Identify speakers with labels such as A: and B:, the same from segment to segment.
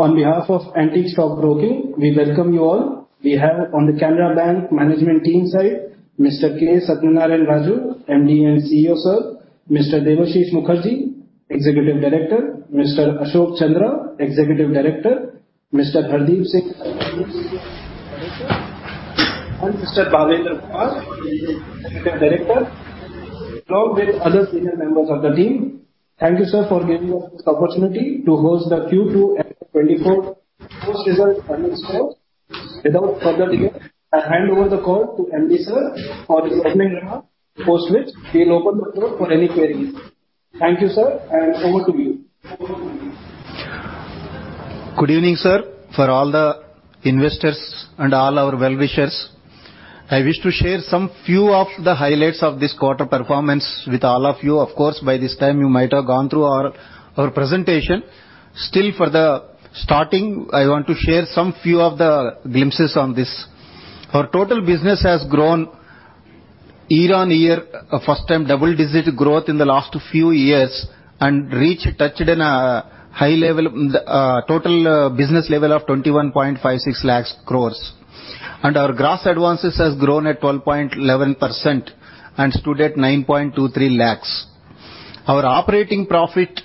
A: On behalf of Antique Stock Broking, we welcome you all. We have on the Canara Bank management team side, Mr. K. Satyanarayana Raju, MD and CEO, sir, Mr. Debashish Mukherjee, Executive Director, Mr. Ashok Chandra, Executive Director, Mr. Hardeep Singh and Mr. Bhavendra Kumar, Executive Director, along with other senior members of the team. Thank you, sir, for giving us this opportunity to host the Q2 and 2024 post result earnings call. Without further delay, I hand over the call to MD, sir, for his opening remarks, post which he'll open the floor for any queries. Thank you, sir, and over to you.
B: Good evening, sir. For all the investors and all our well-wishers, I wish to share some few of the highlights of this quarter performance with all of you. Of course, by this time, you might have gone through our presentation. Still, for the starting, I want to share some few of the glimpses on this. Our total business has grown year-on-year, first time double-digit growth in the last few years and reached, touched in a high level, total business level of 21.56 lakh crore. Our gross advances has grown at 12.11% and stood at 923 lakh. Our operating profit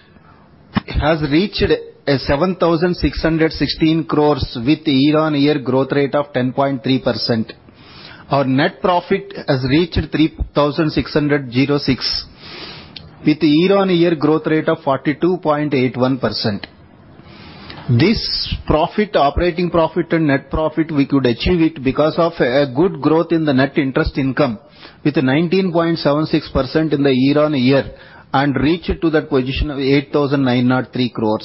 B: has reached 7,616 crore, with year-on-year growth rate of 10.3%. Our net profit has reached 3,606, with year-over-year growth rate of 42.81%. This profit, operating profit and net profit, we could achieve it because of good growth in the net interest income, with 19.76% in the year-over-year, and reached to that position of 8,903 crore.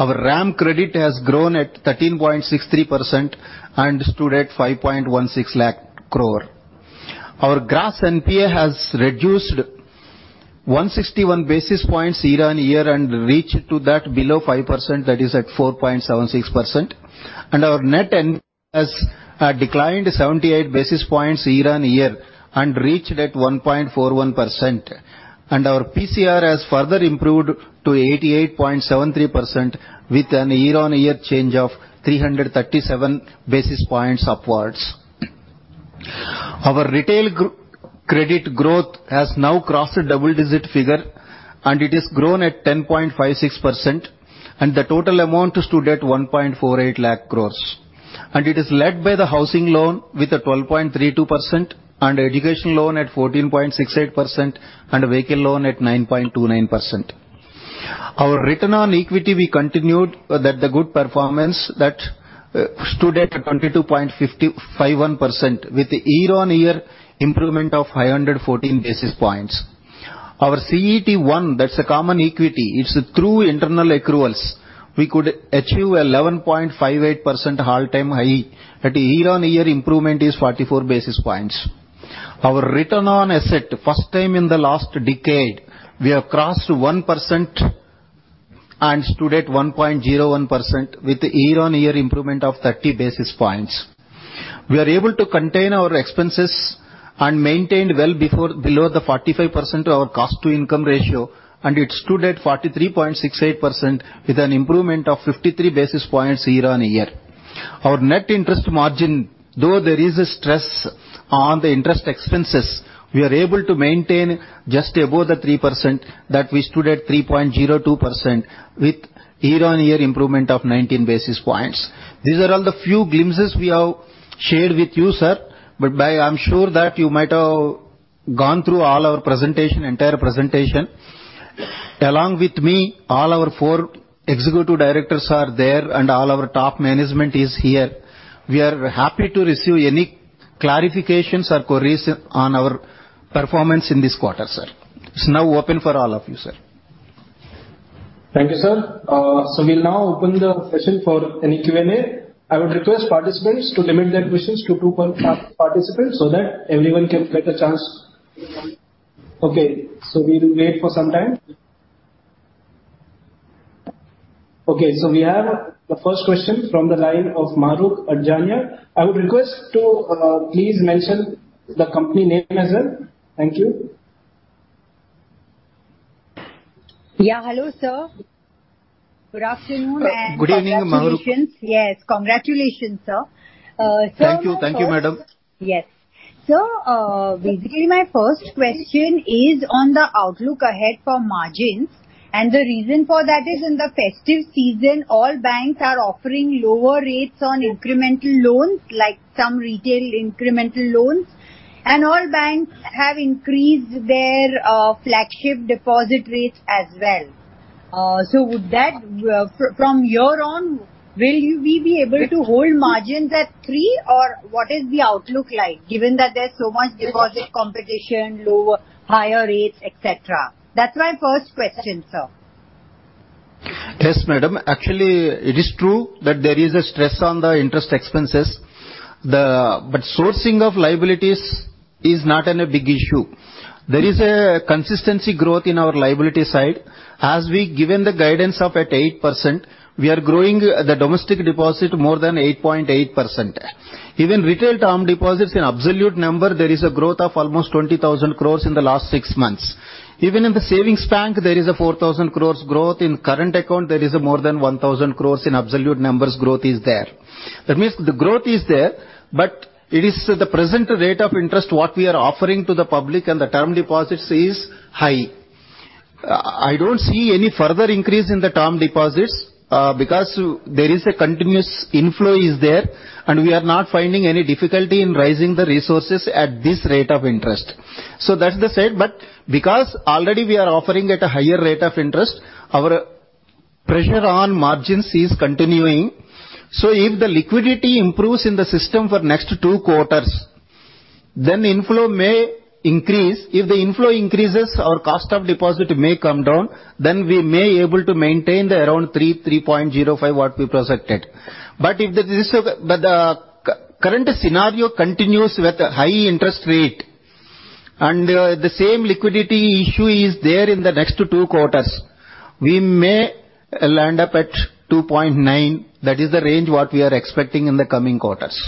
B: Our RAM credit has grown at 13.63% and stood at 516,000 lakh crore. Our gross NPA has reduced 161 basis points year-over-year and reached to that below 5%, that is at 4.76%. Our net NPA has declined 78 basis points year-over-year and reached at 1.41%. Our PCR has further improved to 88.73%, with a year-over-year change of 337 basis points upwards. Our retail credit growth has now crossed a double-digit figure, and it has grown at 10.56%, and the total amount stood at 148,000 lakh crore. It is led by the housing loan with a 12.32%, and education loan at 14.68%, and vehicle loan at 9.29%. Our return on equity, we continued that the good performance that stood at 22.551%, with a year-on-year improvement of 514 basis points. Our CET1, that's the common equity, it's through internal accruals, we could achieve 11.58% all-time high, at a year-on-year improvement is 44 basis points. Our return on assets, first time in the last decade, we have crossed 1% and stood at 1.01% with a year-on-year improvement of 30 basis points. We are able to contain our expenses and maintained well below the 45% of our cost-to-income ratio, and it stood at 43.68% with an improvement of 53 basis points year-on-year. Our net interest margin, though there is a stress on the interest expenses, we are able to maintain just above the 3%, that we stood at 3.02%, with year-on-year improvement of 19 basis points. These are all the few glimpses we have shared with you, sir, but I am sure that you might have gone through all our presentation, entire presentation. Along with me, all our four executive directors are there, and all our top management is here. We are happy to receive any clarifications or queries on our performance in this quarter, sir. It's now open for all of you, sir.
A: Thank you, sir. So we'll now open the session for any Q&A. I would request participants to limit their questions to two per participant so that everyone can get a chance. Okay, so we will wait for some time. Okay, so we have the first question from the line of Mahrukh Adajania. I would request to please mention the company name as well. Thank you.
C: Yeah, hello, sir. Good afternoon and-
B: Good evening, Mahrukh.
C: Congratulations. Yes, congratulations, sir.
B: Thank you. Thank you, madam.
C: Yes. Sir, basically, my first question is on the outlook ahead for margins, and the reason for that is in the festive season, all banks are offering lower rates on incremental loans, like some retail incremental loans, and all banks have increased their, flagship deposit rates as well. So would that, from year on, will we be able to hold margins at three, or what is the outlook like, given that there's so much deposit competition, lower, higher rates, et cetera? That's my first question, sir.
B: Yes, madam. Actually, it is true that there is a stress on the interest expenses. But sourcing of liabilities is not an, a big issue. There is a consistency growth in our liability side. As we've given the guidance of 8%, we are growing the domestic deposit more than 8.8%. Even retail term deposits in absolute number, there is a growth of almost 20,000 crore in the last six months. Even in the savings bank, there is a 4,000 crore growth. In current account, there is a more than 1,000 crore in absolute numbers growth is there. That means the growth is there, but it is the present rate of interest what we are offering to the public and the term deposits is high. I don't see any further increase in the term deposits, because there is a continuous inflow is there, and we are not finding any difficulty in raising the resources at this rate of interest. So that's the said, but because already we are offering at a higher rate of interest, our pressure on margins is continuing. So if the liquidity improves in the system for next two quarters, then inflow may increase. If the inflow increases, our cost of deposit may come down, then we may able to maintain the around 3.05 what we projected. But if the current scenario continues with a high interest rate and the same liquidity issue is there in the next two quarters, we may land up at 2.9. That is the range what we are expecting in the coming quarters.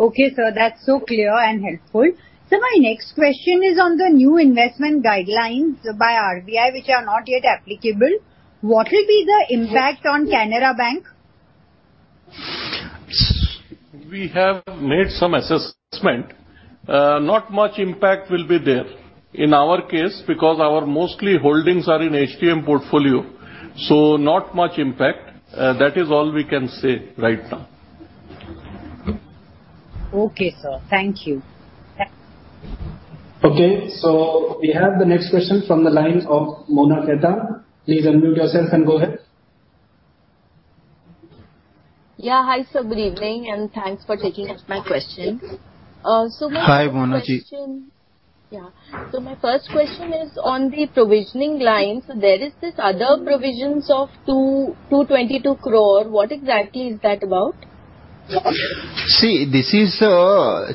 C: Okay, sir. That's so clear and helpful. My next question is on the new investment guidelines by RBI, which are not yet applicable. What will be the impact on Canara Bank?
D: We have made some assessment. Not much impact will be there in our case, because our mostly holdings are in HTM portfolio, so not much impact. That is all we can say right now.
C: Okay, sir. Thank you.
A: Okay, so we have the next question from the lines of Mona Khetan. Please unmute yourself and go ahead.
E: Yeah. Hi, sir, good evening, and thanks for taking up my question. So, my first question-
B: Hi, Mona Ji.
E: Yeah. So my first question is on the provisioning lines. There is this other provisions of 222 crore. What exactly is that about?
B: See, this is,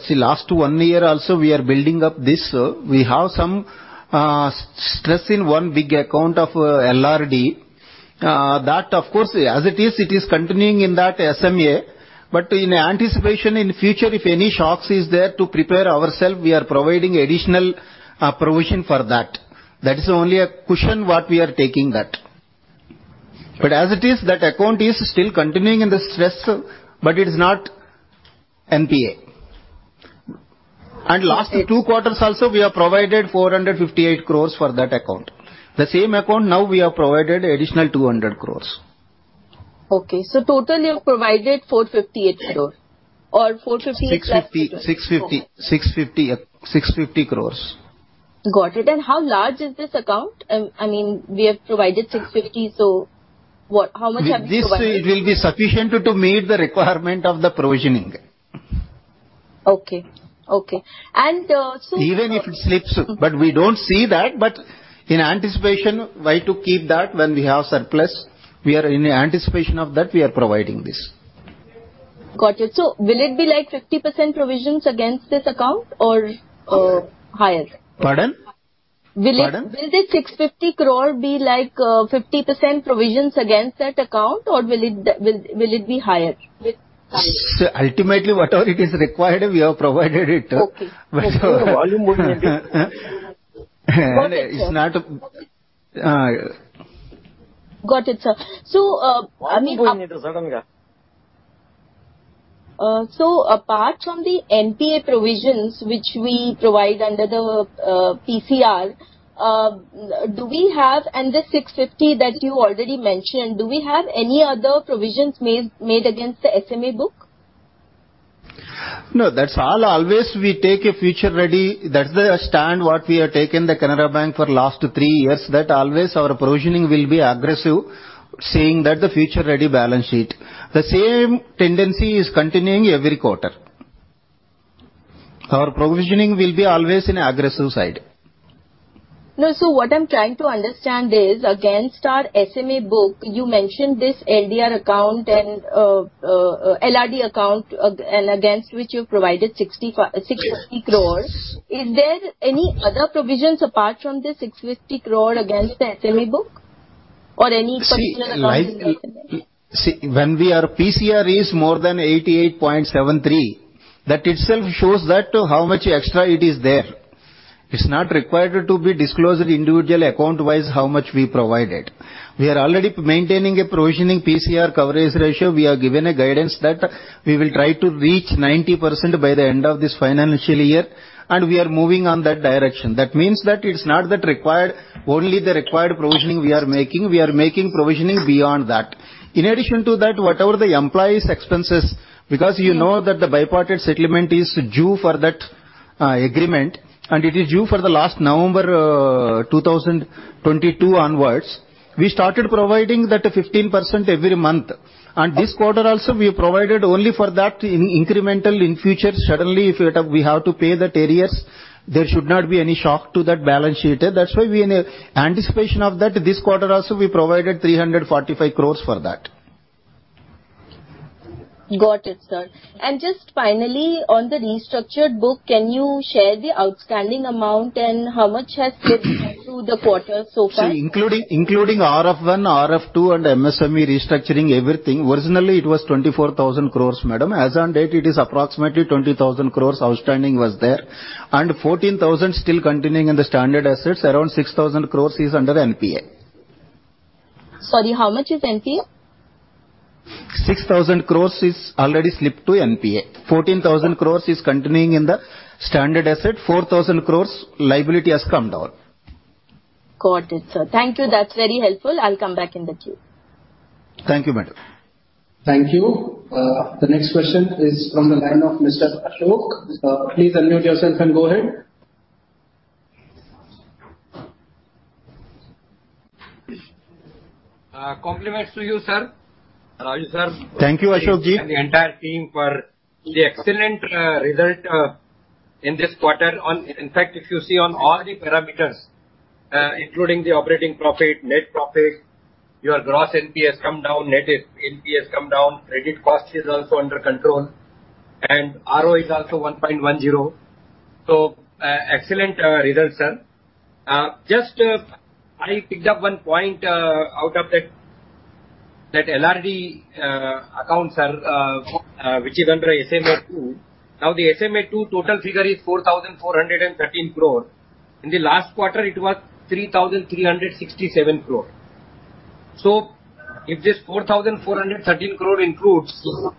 B: see, last one year also, we are building up this. We have some stress in one big account of LRD. That, of course, as it is, it is continuing in that SMA, but in anticipation in future, if any shocks is there to prepare ourself, we are providing additional provision for that. That is only a cushion what we are taking that. But as it is, that account is still continuing in the stress, but it is not NPA. And last two quarters also, we have provided 458 crore for that account. The same account, now we have provided additional 200 crore.
E: Okay. So total, you have provided 458 crore?
B: 650, 650, 650, 650 crores.
E: Got it. And how large is this account? I mean, we have provided 650, so what - how much have you provided?
B: This it will be sufficient to meet the requirement of the provisioning.
E: Okay. Okay. And so.
B: Even if it slips, but we don't see that, but in anticipation, why to keep that when we have surplus? We are in anticipation of that, we are providing this.
E: Got it. So will it be like 50% provisions against this account or higher?
B: Pardon?
E: Will it.
B: Pardon.
E: Will the 650 crore be like, 50% provisions against that account, or will it be higher?
B: Ultimately, whatever it is required, we have provided it.
E: Okay.
D: Volume going into.
B: It's not.
E: Got it, sir. So, I mean.
D: Volume going into suddenly, yeah.
E: So, apart from the NPA provisions, which we provide under the PCR, do we have. And the 650 that you already mentioned, do we have any other provisions made, made against the SMA book?
B: No, that's all. Always, we take a future-ready. That's the stand what we have taken, the Canara Bank, for last three years, that always our provisioning will be aggressive, saying that the future-ready balance sheet. The same tendency is continuing every quarter. Our provisioning will be always in aggressive side.
E: No, so what I'm trying to understand is, against our SMA book, you mentioned this LRD account, and against which you provided 650 crore. Is there any other provisions apart from the 650 crore against the SMA book or any provision against.
B: See, like, see, when we are PCR is more than 88.73, that itself shows that how much extra it is there. It's not required to be disclosed individual account-wise, how much we provided. We are already maintaining a provisioning PCR coverage ratio. We have given a guidance that we will try to reach 90% by the end of this financial year, and we are moving on that direction. That means that it's not that required, only the required provisioning we are making, we are making provisioning beyond that. In addition to that, whatever the employees' expenses, because you know that the bipartite settlement is due for that, agreement, and it is due for the last November 2022 onwards. We started providing that 15% every month, and this quarter also, we provided only for that in incremental. In future, suddenly, if we have to pay that arrears, there should not be any shock to that balance sheet. That's why we, in anticipation of that, this quarter also, we provided 345 crore for that.
E: Got it, sir. And just finally, on the restructured book, can you share the outstanding amount and how much has slipped through the quarter so far?
B: See, including RF one, RF two, and MSME restructuring everything, originally it was 24,000 crore, madam. As on date, it is approximately 20,000 crore outstanding was there, and 14,000 crore still continuing in the standard assets. Around 6,000 crore is under NPA.
E: Sorry, how much is NPA?
B: 6,000 crore is already slipped to NPA. 14,000 crore is continuing in the standard asset. 4,000 crore liability has come down.
E: Got it, sir. Thank you. That's very helpful. I'll come back in the queue.
B: Thank you, madam.
A: Thank you. The next question is from the line of Mr. Ashok. Please unmute yourself and go ahead.
F: Compliments to you, sir.
B: Thank you, Ashok.
F: The entire team for the excellent result in this quarter. In fact, if you see on all the parameters, including the operating profit, net profit, your gross NPA has come down, net NPA has come down, credit cost is also under control, and ROE is also 1.10. So, excellent result, sir. Just, I picked up one point out of that, that LRD account, sir, which is under SMA two. Now, the SMA two total figure is 4,413 crore. In the last quarter, it was 3,367 crore. So if this 4,413 crore includes, was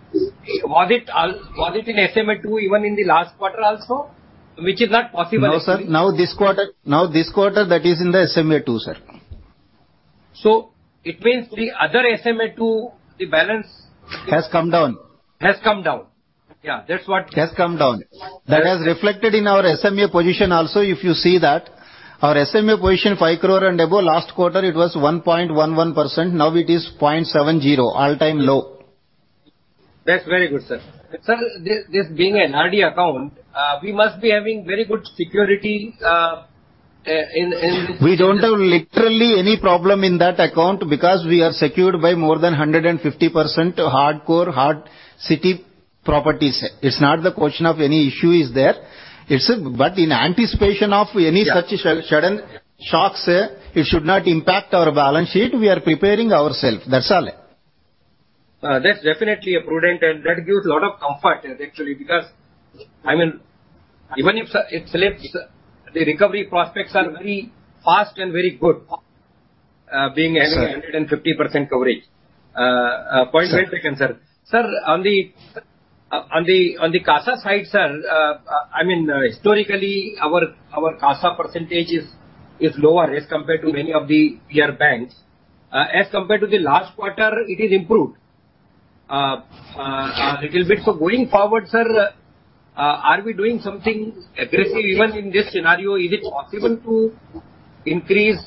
F: it, was it in SMA two even in the last quarter also? Which is not possible.
B: No, sir. Now this quarter, now this quarter, that is in the SMA two, sir.
F: It means the other SMA two, the balance?
B: Has come down.
F: Has come down. Yeah, that's what.
B: Has come down. That has reflected in our SMA position also, if you see that, our SMA position, 5 crore and above, last quarter it was 1.11%, now it is 0.70%, all-time low.
F: That's very good, sir. Sir, this being an RD account, we must be having very good security, in, in-
B: We don't have literally any problem in that account because we are secured by more than 150% hardcore, heart of city properties. It's not the question of any issue is there. It's a... but in anticipation of any such sudden shocks, it should not impact our balance sheet. We are preparing ourselves. That's all.
F: That's definitely a prudent, and that gives a lot of comfort actually, because, I mean, even if it slips, the recovery prospects are very fast and very good, being having 150% coverage. Point well taken, sir. Sir, on the CASA side, sir, I mean, historically, our CASA percentage is lower as compared to many of the peer banks. As compared to the last quarter, it is improved a little bit. So going forward, sir, are we doing something aggressive even in this scenario? Is it possible to increase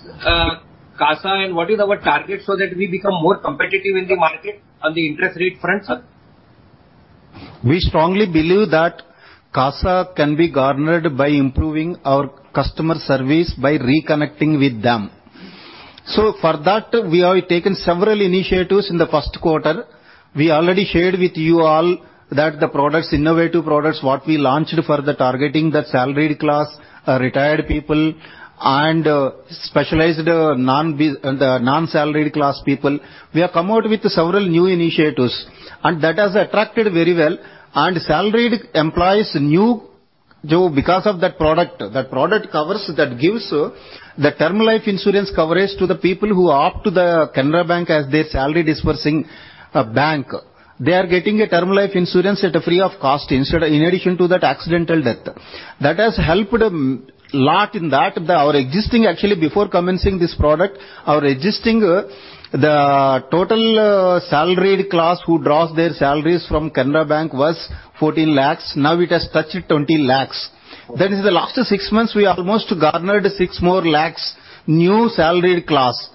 F: CASA, and what is our target so that we become more competitive in the market on the interest rate front, sir?
B: We strongly believe that CASA can be garnered by improving our customer service, by reconnecting with them. So for that, we have taken several initiatives in the first quarter. We already shared with you all that the products, innovative products, what we launched for the targeting the salaried class, retired people and, specialized, the non-salaried class people. We have come out with several new initiatives, and that has attracted very well. And salaried employees, new, though, because of that product, that product covers, that gives the term life insurance coverage to the people who opt to the Canara Bank as their salary disbursing, bank. They are getting a term life insurance at a free of cost instead, in addition to that, accidental death. That has helped a lot in that. Our existing, actually, before commencing this product, the total salaried class who draws their salaries from Canara Bank was 14 lakhs. Now it has touched 20 lakhs. That is the last six months, we almost garnered 6 more lakhs, new salaried class.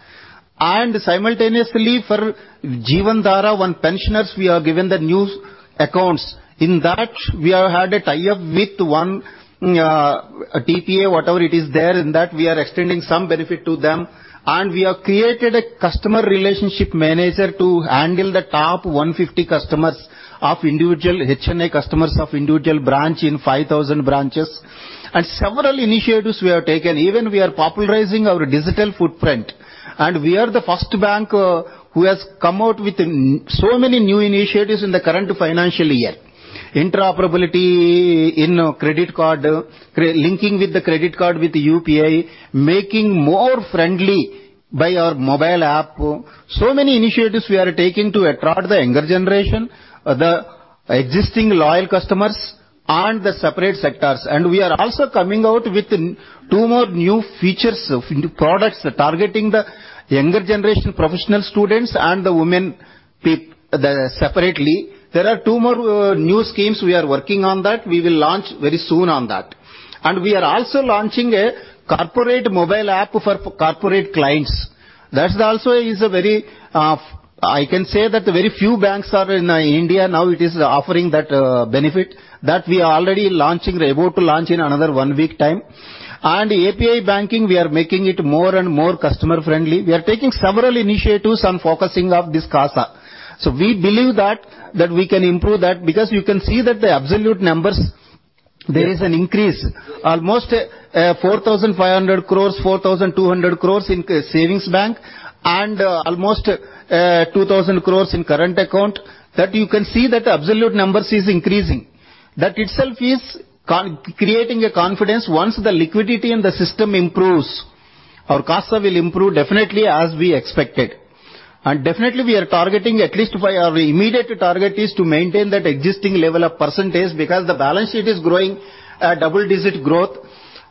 B: And simultaneously, for Jeevan Dhara, our pensioners, we have given the new accounts. In that, we have had a tie-up with one TPA, whatever it is there, in that we are extending some benefit to them. And we have created a customer relationship manager to handle the top 150 customers of individual HNI customers of individual branch in 5,000 branches, and several initiatives we have taken. Even we are popularizing our digital footprint, and we are the first bank who has come out with so many new initiatives in the current financial year. Interoperability in credit card linking with the credit card with the UPI, making more friendly by our mobile app. So many initiatives we are taking to attract the younger generation, the existing loyal customers and the separate sectors. We are also coming out with two more new features, new products, targeting the younger generation, professional students and the women separately. There are two more new schemes we are working on that. We will launch very soon on that. We are also launching a corporate mobile app for corporate clients. That also is a very, I can say that very few banks are in India now it is offering that, benefit, that we are already launching, we're about to launch in another one week time. And API Banking, we are making it more and more customer-friendly. We are taking several initiatives on focusing of this CASA. So we believe that we can improve that, because you can see that the absolute numbers, there is an increase. Almost 4,500 crore, 4,200 crore in savings bank, and almost 2,000 crore in current account, that you can see that the absolute numbers is increasing. That itself is creating a confidence. Once the liquidity in the system improves, our CASA will improve definitely as we expected. And definitely, we are targeting at least by our immediate target is to maintain that existing level of percentage, because the balance sheet is growing at double digit growth.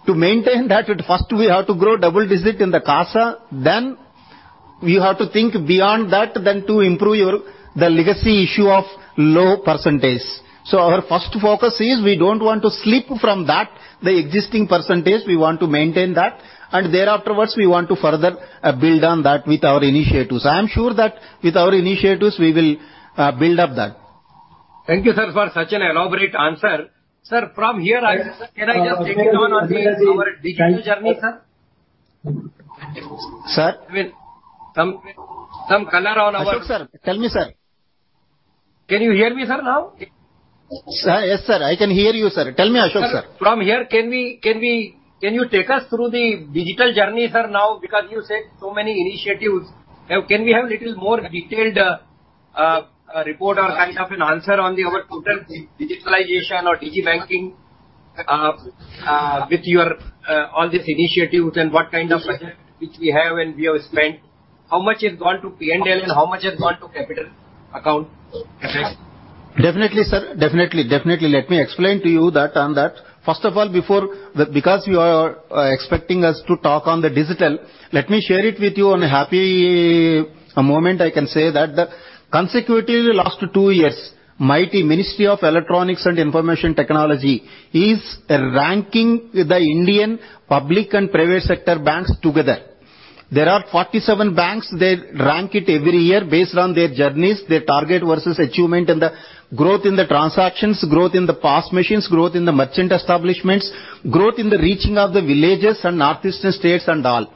B: To maintain that, it first we have to grow double digit in the CASA, then we have to think beyond that, then to improve the legacy issue of low percentage. So our first focus is we don't want to slip from that, the existing percentage, we want to maintain that, and there afterwards, we want to further, build on that with our initiatives. I am sure that with our initiatives, we will, build up that.
F: Thank you, sir, for such an elaborate answer. Sir, from here, can I just take it on our digital journey, sir?
B: Sir?
F: I mean, some color on our-
B: Ashok, sir. Tell me, sir.
F: Can you hear me, sir, now?
B: Sir, yes, sir, I can hear you, sir. Tell me, Ashok, sir.
F: From here, can you take us through the digital journey, sir, now? Because you said so many initiatives. Can we have a little more detailed report or kind of an answer on our total digitalization or digi banking with your all these initiatives and what kind of budget which we have and we have spent? How much has gone to P&L and how much has gone to capital account aspects?
B: Definitely, sir. Definitely, definitely. Let me explain to you that on that. First of all, before the... Because you are expecting us to talk on the digital, let me share it with you on a happy moment. I can say that consecutively last two years, MeitY Ministry of Electronics and Information Technology is ranking the Indian public and private sector banks together. There are 47 banks. They rank it every year based on their journeys, their target versus achievement, and the growth in the transactions, growth in the POS machines, growth in the merchant establishments, growth in the reaching of the villages and northeastern states and all.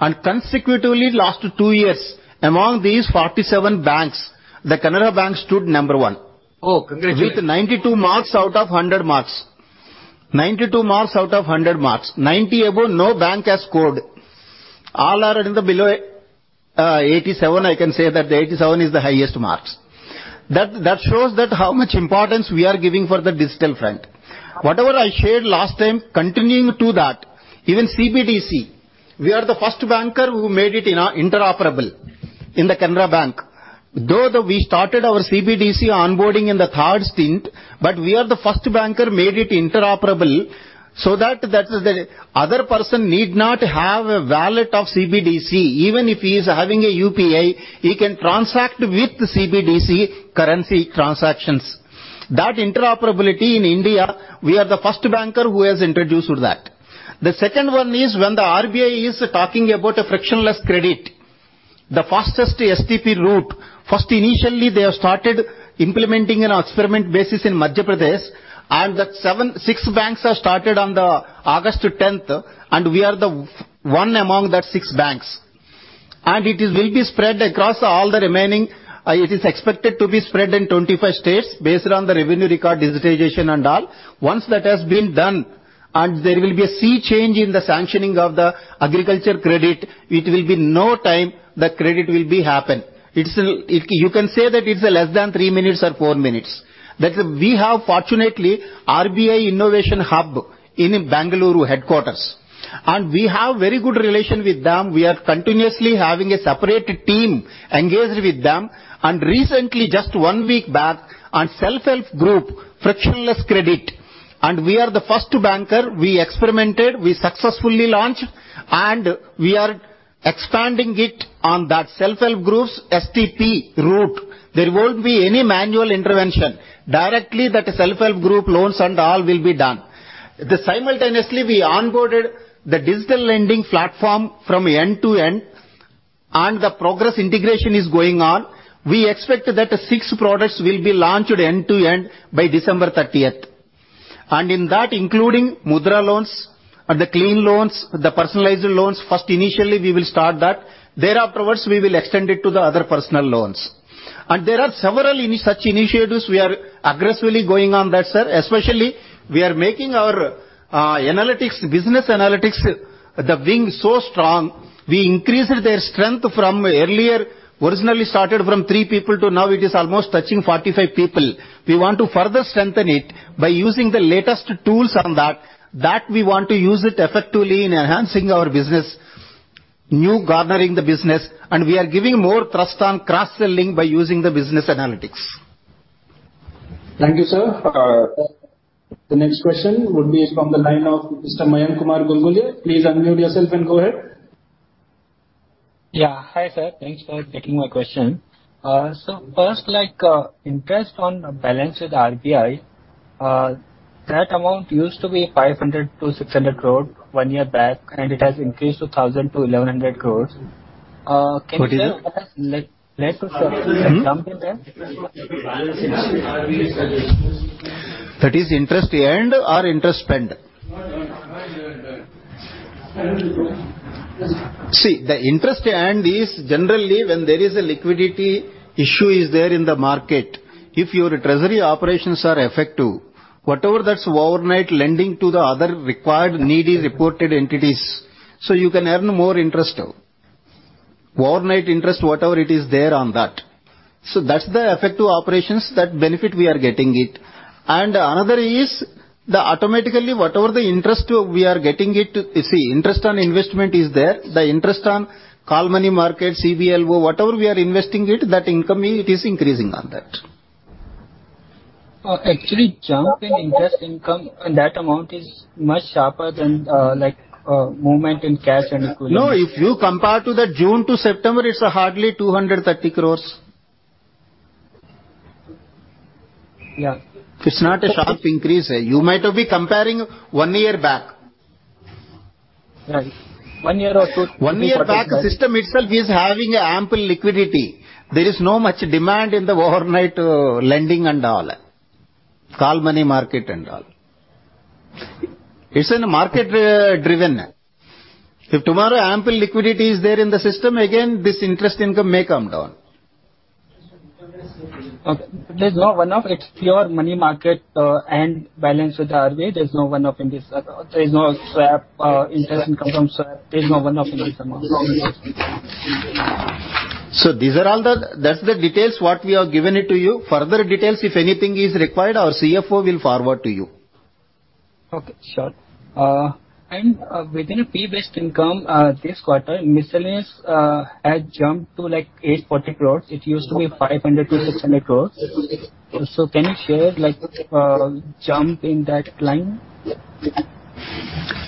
B: And consecutively, last two years, among these 47 banks, the Canara Bank stood number one.
F: Oh, congratulations.
B: With 92 marks out of 100 marks. 92 marks out of 100 marks. 90 above, no bank has scored. All are in the below, 87. I can say that the 87 is the highest marks. That, that shows that how much importance we are giving for the digital front. Whatever I shared last time, continuing to that, even CBDC, we are the first banker who made it inter-interoperable in the Canara Bank. Though the we started our CBDC onboarding in the third stint, but we are the first banker made it interoperable so that, that the other person need not have a wallet of CBDC. Even if he is having a UPI, he can transact with CBDC currency transactions. That interoperability in India, we are the first banker who has introduced that. The second one is when the RBI is talking about a frictionless credit, the fastest STP route. First, initially, they have started implementing on an experiment basis in Madhya Pradesh, and the seven, six banks have started on August 10, and we are the one among that six banks. It is will be spread across all the remaining. It is expected to be spread in 25 states based on the revenue record, digitization, and all. Once that has been done, and there will be a sea change in the sanctioning of the agriculture credit, it will be no time the credit will be happen. It's a, it, you can say that it's less than three minutes or four minutes. That we have fortunately RBI Innovation Hub in Bengaluru headquarters, and we have very good relation with them. We are continuously having a separate team engaged with them. Recently, just one week back, on self-help group frictionless credit, and we are the first banker. We experimented, we successfully launched, and we are expanding it on that self-help groups STP route. There won't be any manual intervention. Directly, that self-help group loans and all will be done. Then simultaneously, we onboarded the digital lending platform from end to end, and the progress integration is going on. We expect that the six products will be launched end to end by December thirtieth. And in that, including Mudra loans, and the clean loans, the personalized loans, first, initially, we will start that. There afterwards, we will extend it to the other personal loans. And there are several such initiatives we are aggressively going on that, sir. Especially, we are making our analytics, business analytics, the wing so strong. We increased their strength from earlier, originally started from three people to now it is almost touching 45 people. We want to further strengthen it by using the latest tools on that. That we want to use it effectively in enhancing our business, new garnering the business, and we are giving more trust on cross-selling by using the business analytics.
A: Thank you, sir. The next question would be from the line of Mr. Mayank Kumar Ganguly. Please unmute yourself and go ahead.
G: Yeah. Hi, sir. Thanks for taking my question. So first, like, interest on balance with RBI, that amount used to be 500 crore-600 crore one year back, and it has increased to 1,000 crore-1,100 crore. Can you tell like, like jump in the balance?
B: That is interest earned or interest spent?
G: Earned.
B: See, the interest earned is generally when there is a liquidity issue is there in the market. If your treasury operations are effective, whatever that's overnight lending to the other required needy reported entities, so you can earn more interest. Overnight interest, whatever it is there on that. So that's the effective operations, that benefit we are getting it. And another is the automatically whatever the interest we are getting it, you see, interest on investment is there. The interest on call money market, CBLO, whatever we are investing it, that income, it is increasing on that.
G: Actually, jump in interest income, and that amount is much sharper than, like, movement in cash and equivalent.
B: No, if you compare to the June to September, it's hardly 230 crore.
G: Yeah.
B: It's not a sharp increase. You might be comparing one year back.
G: Right. One year or two.
B: One year back, system itself is having ample liquidity. There is no much demand in the overnight lending and all, call money market and all. It's in market driven. If tomorrow ample liquidity is there in the system, again, this interest income may come down.
G: Okay. There's no one-off. It's pure money market and balance with RWA. There's no one-off in this. There's no swap interest income from swap. There's no one-off in this amount.
B: These are all the. That's the details what we have given it to you. Further details, if anything is required, our CFO will forward to you.
G: Okay, sure. And, within a fee-based income, this quarter, miscellaneous has jumped to, like, 840 crore. It used to be 500 crore-600 crore. So can you share, like, jump in that line?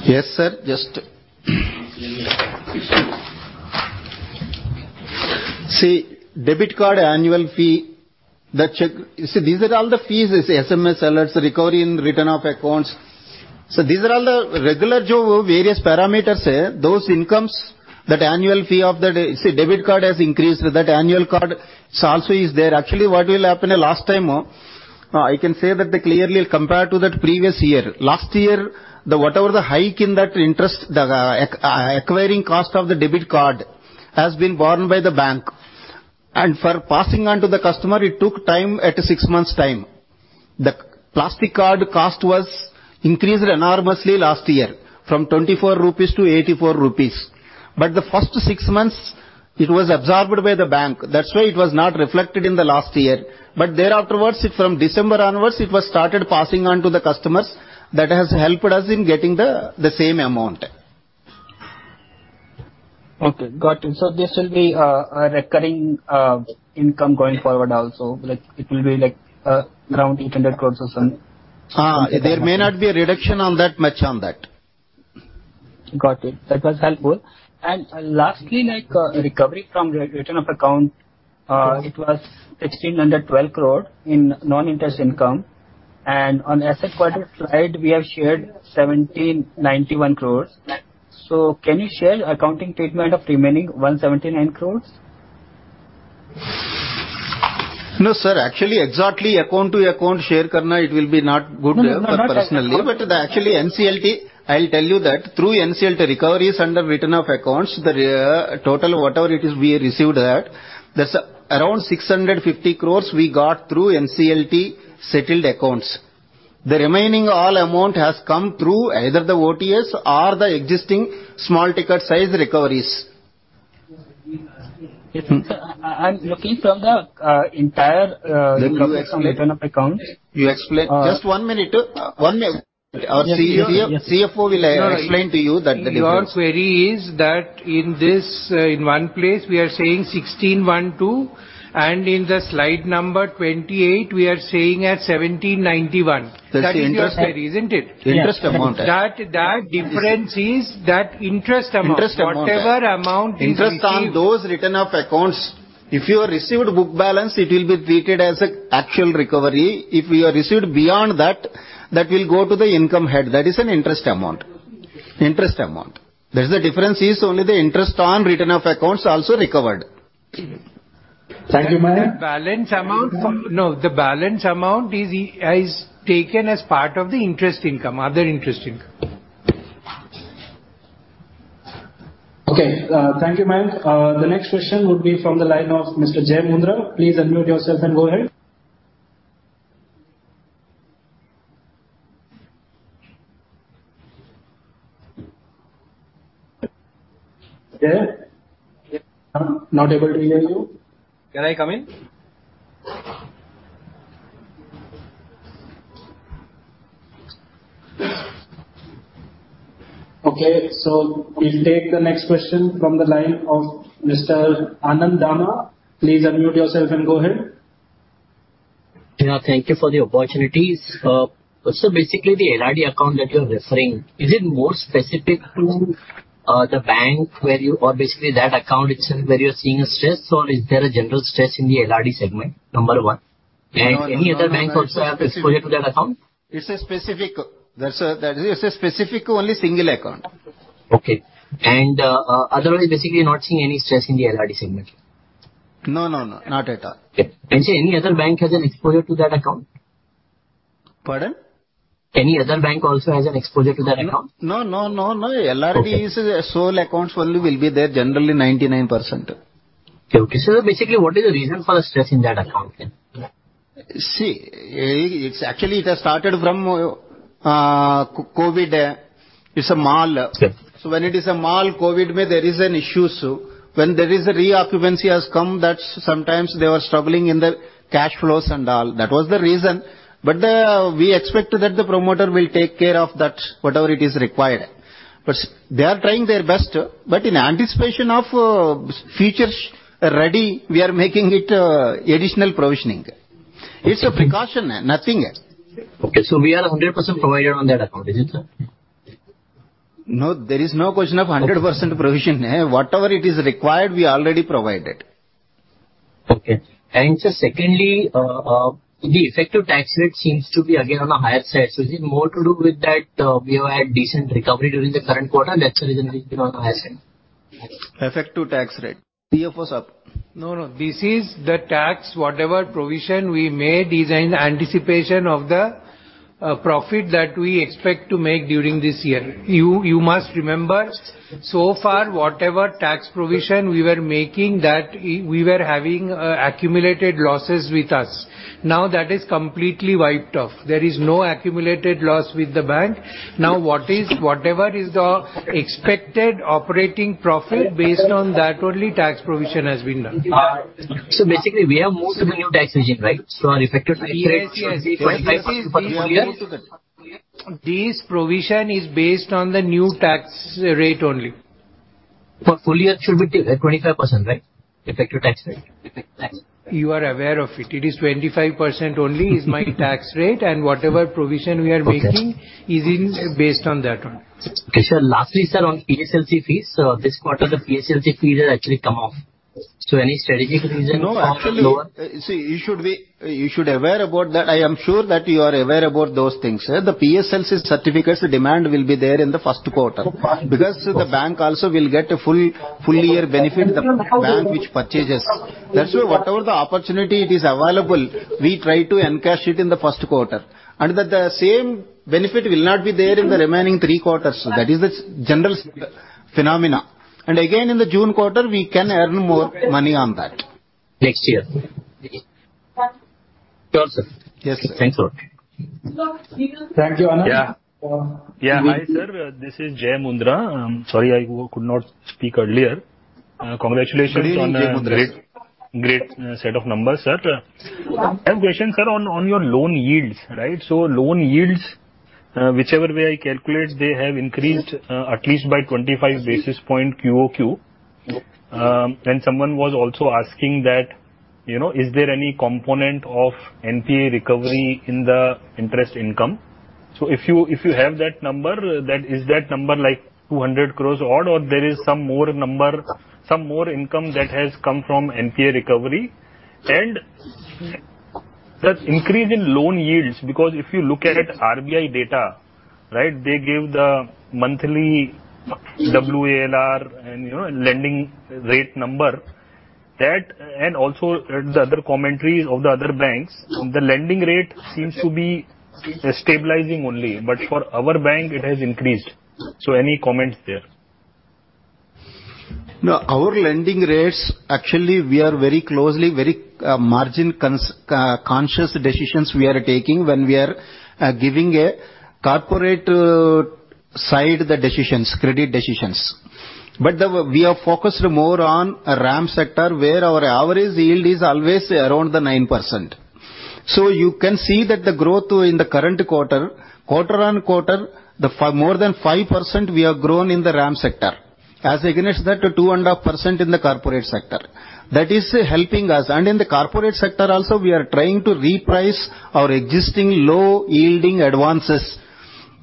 B: Yes, sir. Just see, debit card annual fee, that check. See, these are all the fees, SMS alerts, recovery in written-off accounts. So these are all the regular job, various parameters, those incomes, that annual fee of the debit card has increased, that annual card fee also is there. Actually, what will happen last time, I can say that clearly compared to that previous year, last year, the whatever the hike in that interest, the acquiring cost of the debit card has been borne by the bank. And for passing on to the customer, it took time, six months time. The plastic card cost was increased enormously last year, from 24 rupees to 84 rupees. But the first six months, it was absorbed by the bank. That's why it was not reflected in the last year. Thereafter, from December onwards, it was started passing on to the customers. That has helped us in getting the same amount.
G: Okay, got it. So this will be a recurring income going forward also. Like, it will be like around INR 800 crore or so.
B: There may not be a reduction on that much on that.
G: Got it. That was helpful. And lastly, like, recovery from the return of account, it was 1,612 crore in non-interest income, and on asset quality slide, we have shared 1,791 crores. So can you share accounting treatment of remaining 179 crores?
B: No, sir, actually, exactly account to account share karna, it will be not good personally.
G: No, but actually NCLT, I'll tell you that through NCLT, recovery is under written-off accounts. The total, whatever it is we received that, there's around 650 crore we got through NCLT settled accounts. The remaining all amount has come through either the OTS or the existing small ticket size recoveries. I, I, I'm looking from the entire income from written-off accounts.
B: You explain. Just one minute, one minute. Our CFO will explain to you that the difference.
H: Your query is that in this, in one place, we are saying 1,612, and in the slide number 28, we are saying at 1,791.
B: That's the interest.
H: That is your query, isn't it?
B: Interest amount.
H: That difference is that interest amount.
B: Interest amount.
H: Whatever amount is received-
B: Interest on those written-off accounts, if you received book balance, it will be treated as an actual recovery. If we are received beyond that, that will go to the income head. That is an interest amount. Interest amount. There's the difference is only the interest on written-off accounts also recovered. Thank you, Mayank.
H: Balance amount from. No, the balance amount is taken as part of the interest income, other interest income.
A: Okay, thank you, Mayank. The next question would be from the line of Mr. Jai Mundra. Please unmute yourself and go ahead. Jai, I'm not able to hear you.
I: Can I come in?
A: Okay. We'll take the next question from the line of Mr. Anand Dama. Please unmute yourself and go ahead.
J: Yeah, thank you for the opportunity. So basically, the LRD account that you're referring, is it more specific to, the bank where you or basically that account itself, where you're seeing a stress, or is there a general stress in the LRD segment? Number one.... And any other bank also have exposure to that account?
B: It's a specific. That's, that is a specific, only single account.
J: Okay. And otherwise, basically, you're not seeing any stress in the LRD segment?
B: No, no, no. Not at all.
J: Okay. And so any other bank has an exposure to that account?
B: Pardon?
J: Any other bank also has an exposure to that account?
B: No, no, no, no.
J: Okay.
B: LRD is sole accounts only will be there, generally 99%.
J: Okay. Basically, what is the reason for the stress in that account then?
B: See, it's actually it has started from, COVID. It's a mall.
J: Okay.
B: So when it is a mall, COVID, there is an issue. When there is a reoccupancy has come, that's sometimes they were struggling in the cash flows and all. That was the reason. But we expect that the promoter will take care of that, whatever it is required. But they are trying their best. But in anticipation of futures ready, we are making additional provisioning. It's a precaution, nothing.
J: Okay, so we are 100% provided on that account, is it, sir?
B: No, there is no question of 100% provision. Whatever it is required, we already provided.
J: Okay. And sir, secondly, the effective tax rate seems to be again on the higher side. So is it more to do with that, we have had decent recovery during the current quarter, that's the reason it's been on the higher side?
B: Effective tax rate.
J: CFO, sir.
B: No, no, this is the tax. Whatever provision we made is in anticipation of the profit that we expect to make during this year. You, you must remember, so far, whatever tax provision we were making, that we were having accumulated losses with us. Now, that is completely wiped off. There is no accumulated loss with the bank. Now, whatever is the expected operating profit, based on that only, tax provision has been done.
J: So basically, we have moved to the new tax regime, right? So our effective tax rate-
B: Yes, yes.
J: 25% for this year?
B: This provision is based on the new tax rate only.
J: For full year, it should be 25%, right? Effective tax rate.
B: You are aware of it. It is 25% only is my tax rate, and whatever provision we are making-
J: Okay.
B: is in, based on that one.
J: Okay, sir. Lastly, sir, on PSLC fees. So this quarter, the PSLC fee has actually come off. So any strategic reason for lower?
B: No, actually, see, you should be, you should aware about that. I am sure that you are aware about those things. The PSLC certificates demand will be there in the first quarter, because the bank also will get a full, full year benefit, the bank which purchases. That's why whatever the opportunity it is available, we try to encash it in the first quarter, and the, the same benefit will not be there in the remaining three quarters. That is the general phenomena. And again, in the June quarter, we can earn more money on that.
J: Next year. Sure, sir.
B: Yes.
J: Thanks a lot.
B: Thank you, Anand.
I: Yeah. Yeah. Hi, sir, this is Jai Mundra. Sorry, I could not speak earlier. Congratulations-
B: Good evening, Jai Mundra.
I: On a great, great set of numbers, sir. I have a question, sir, on your loan yields, right? So loan yields, whichever way I calculate, they have increased at least by 25 basis points QOQ. And someone was also asking that, you know, is there any component of NPA recovery in the interest income? So if you have that number, is that number like 200 crore or there is some more number, some more income that has come from NPA recovery? And, sir, increase in loan yields, because if you look at RBI data, right, they give the monthly WALR and, you know, lending rate number. And also the other commentaries of the other banks, the lending rate seems to be stabilizing only, but for our bank, it has increased. So any comments there?
B: No, our lending rates, actually, we are very closely, very, margin-conscious decisions we are taking when we are giving a corporate side the decisions, credit decisions. But we are focused more on RAM sector, where our average yield is always around the 9%. So you can see that the growth in the current quarter, quarter-on-quarter, the 5%. More than 5% we have grown in the RAM sector, as against that, 2.5% in the corporate sector. That is helping us. And in the corporate sector also, we are trying to reprice our existing low-yielding advances.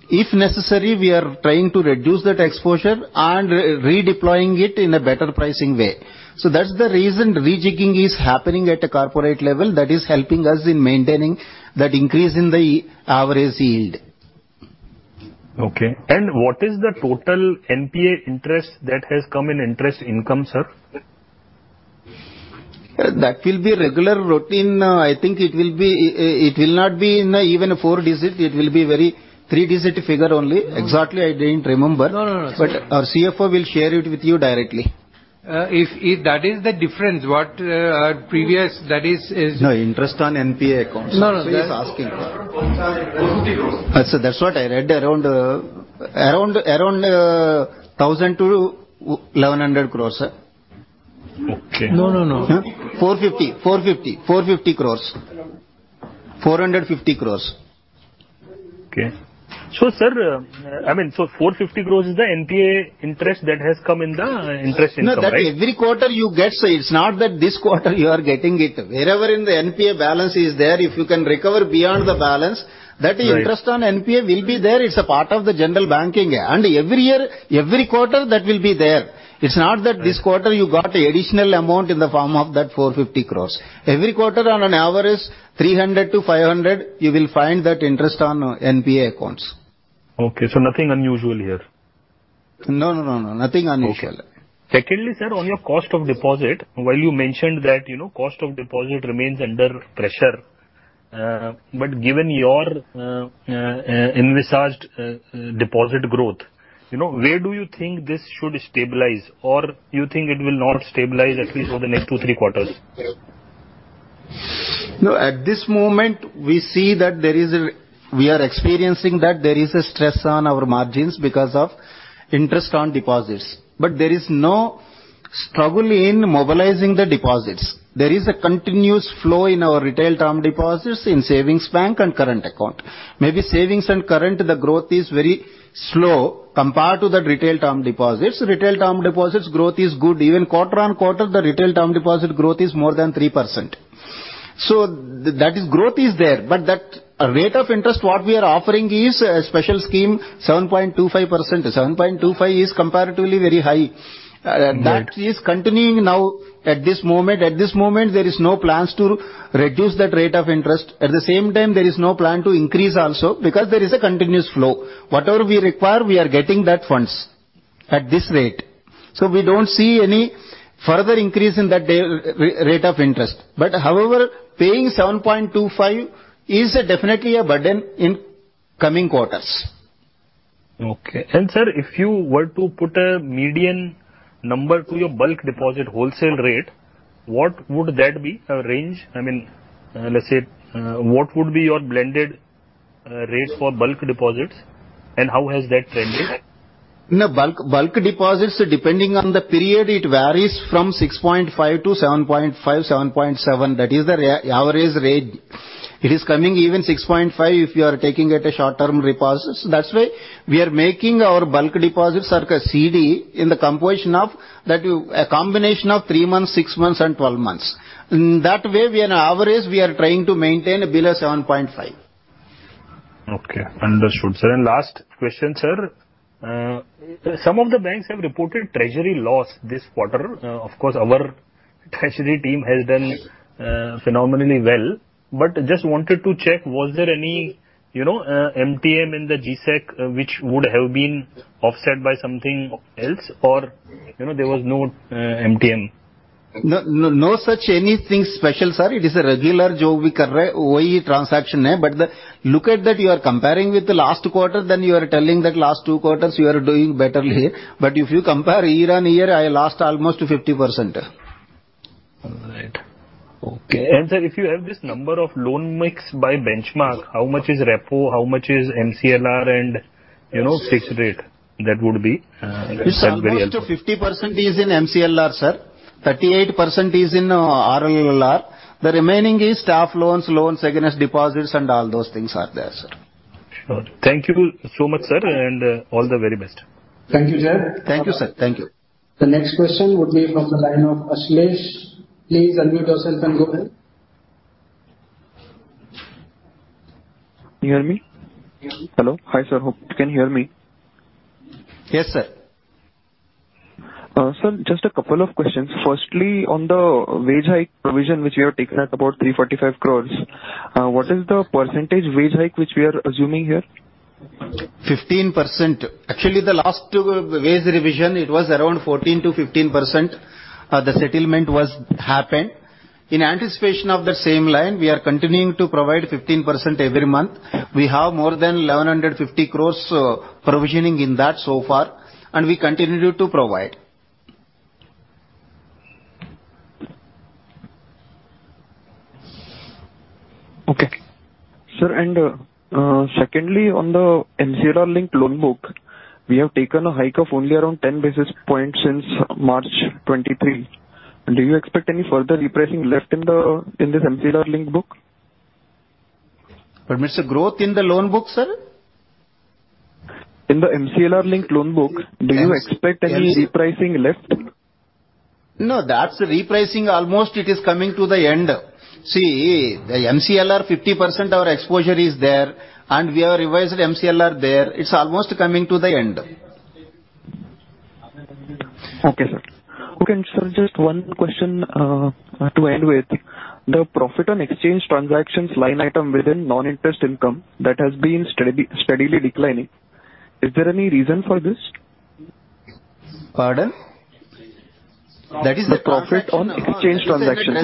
B: If necessary, we are trying to reduce that exposure and redeploying it in a better pricing way. So that's the reason rejigging is happening at a corporate level, that is helping us in maintaining that increase in the average yield.
I: Okay. What is the total NPA interest that has come in interest income, sir?
B: That will be regular routine. I think it will be, it will not be in even a four-digit, it will be very three-digit figure only. Exactly, I didn't remember.
I: No, no, no.
B: Our CFO will share it with you directly.
I: If, if that is the difference, what previous, that is, is-
B: No, interest on NPA accounts.
I: No, no.
B: He's asking. Sir, that's what I read, around 1,000 crore-1,100 crore, sir.
D: Okay.
I: No, no, no.
B: 450, 450, 450 crores. 450 crores.
I: Okay. So, sir, I mean, so 450 crore is the NPA interest that has come in the interest income, right?
B: No, that every quarter you get, so it's not that this quarter you are getting it. Wherever in the NPA balance is there, if you can recover beyond the balance-
I: Right.
B: That interest on NPA will be there. It's a part of the general banking. And every year, every quarter, that will be there. It's not that this quarter you got additional amount in the form of that 450 crore. Every quarter on an average, 300 crore-500 crore, you will find that interest on NPA accounts.
I: Okay, so nothing unusual here?
B: No, no, no, no, nothing unusual.
I: Okay. Secondly, sir, on your cost of deposit, while you mentioned that, you know, cost of deposit remains under pressure, but given your envisaged deposit growth, you know, where do you think this should stabilize? Or you think it will not stabilize at least for the next two, three quarters?
B: No, at this moment, we see that there is a stress on our margins because of interest on deposits, but there is no struggle in mobilizing the deposits. There is a continuous flow in our retail term deposits, in savings bank and current account. Maybe savings and current, the growth is very slow compared to the retail term deposits. Retail term deposits growth is good. Even quarter-on-quarter, the retail term deposit growth is more than 3%. So that is growth is there, but that rate of interest, what we are offering is a special scheme, 7.25%. 7.25% is comparatively very high.
I: Right.
B: That is continuing now at this moment. At this moment, there is no plans to reduce that rate of interest. At the same time, there is no plan to increase also, because there is a continuous flow. Whatever we require, we are getting that funds at this rate. So we don't see any further increase in that day re-rate of interest. But however, paying 7.25% is definitely a burden in coming quarters.
I: Okay. Sir, if you were to put a median number to your bulk deposit wholesale rate, what would that be? A range, I mean, let's say, what would be your blended rate for bulk deposits, and how has that trended?
B: No, bulk deposits, depending on the period, it varies from 6.5 to 7.5, 7.7. That is the average rate. It is coming even 6.5 if you are taking at a short-term deposits. That's why we are making our bulk deposits or CD in the composition of that. A combination of three months, six months and 12 months. In that way, we are on average, we are trying to maintain below 7.5.
I: Okay, understood, sir. Last question, sir, some of the banks have reported treasury loss this quarter. Of course, our treasury team has done phenomenally well, but just wanted to check, was there any, you know, MTM in the G-Sec, which would have been offset by something else, or, you know, there was no MTM?
B: No, no, no such anything special, sir. It is a regular job we are doing, same transaction, but the... Look at that, you are comparing with the last quarter, then you are telling that last two quarters you are doing better here. But if you compare year-on-year, I lost almost 50%.
I: All right. Okay. And, sir, if you have this number of loan mix by benchmark, how much is repo, how much is MCLR and, you know, fixed rate? That would be, that will be helpful.
B: It's almost 50% is in MCLR, sir. 38% is in RLLR. The remaining is staff loans, loans against deposits, and all those things are there, sir.
I: Sure. Thank you so much, sir, and all the very best.
D: Thank you, sir.
B: Thank you, sir. Thank you.
A: The next question would be from the line of Ashlesh. Please unmute yourself and go ahead.
K: You hear me?
A: Yes.
K: Hello. Hi, sir, hope you can hear me.
B: Yes, sir.
K: Sir, just a couple of questions. Firstly, on the wage hike provision, which you have taken at about 345 crore, what is the percentage wage hike which we are assuming here?
B: 15%. Actually, the last two wage revision, it was around 14%-15%, the settlement was happened. In anticipation of the same line, we are continuing to provide 15% every month. We have more than 1,150 crore provisioning in that so far, and we continue to provide.
K: Okay. Sir, and secondly, on the MCLR-linked loan book, we have taken a hike of only around 10 basis points since March 2023. Do you expect any further repricing left in this MCLR-linked book?
B: Permits a growth in the loan book, sir?
K: In the MCLR-linked loan book, do you expect any repricing left?
B: No, that's the repricing, almost it is coming to the end. See, the MCLR, 50% our exposure is there, and we have revised MCLR there. It's almost coming to the end.
K: Okay, sir. Okay, and sir, just one question, to end with. The profit on exchange transactions line item within non-interest income, that has been steady, steadily declining. Is there any reason for this?
B: Pardon?
K: That is the profit on exchange transactions.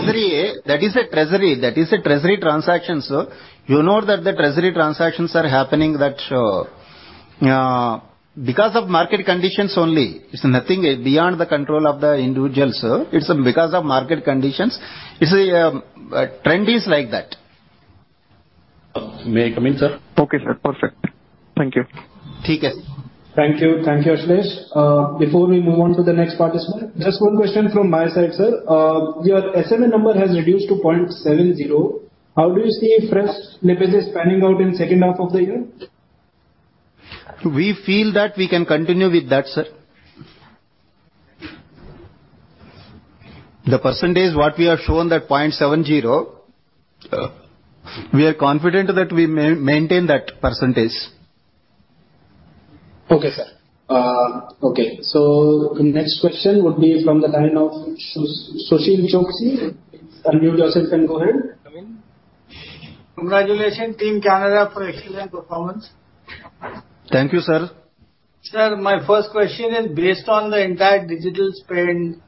B: That is a treasury, that is a treasury transaction, sir. You know that the treasury transactions are happening because of market conditions only. It's nothing beyond the control of the individual, sir. It's because of market conditions. It's a trend is like that.
A: May I come in, sir?
K: Okay, sir. Perfect. Thank you.
B: Okay.
A: Thank you. Thank you, Ashlesh. Before we move on to the next participant, just one question from my side, sir. Your SMA number has reduced to 0.70. How do you see fresh liabilities panning out in second half of the year?
B: We feel that we can continue with that, sir. The percentage what we have shown, that 0.70%, we are confident that we may maintain that percentage.
A: Okay, sir. Okay. So next question would be from the line of Sushil Choksey. Unmute yourself and go ahead.
L: Congratulations, Team Canara, for excellent performance!
B: Thank you, sir.
L: Sir, my first question is, based on the entire digital spend,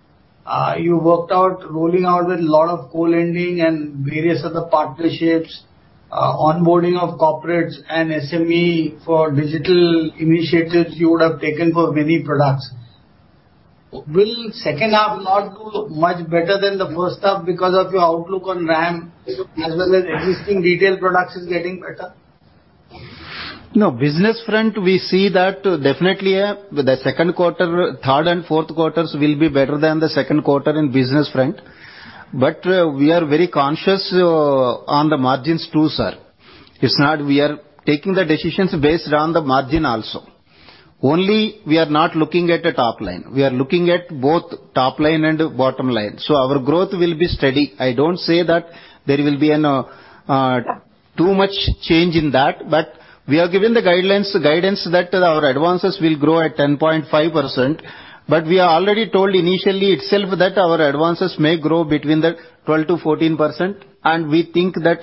L: you worked out rolling out with a lot of co-lending and various other partnerships, onboarding of corporates and SME for digital initiatives you would have taken for many products. Will second half not do much better than the first half because of your outlook on RAM, as well as existing retail products is getting better?
B: No, business front, we see that definitely, the second quarter, third and fourth quarters will be better than the second quarter in business front. But, we are very conscious, on the margins, too, sir. It's not we are taking the decisions based on the margin also. Only, we are not looking at the top line. We are looking at both top line and bottom line. So our growth will be steady. I don't say that there will be an, too much change in that, but we have given the guidelines, guidance that our advances will grow at 10.5%. But we already told initially itself that our advances may grow between 12%-14%, and we think that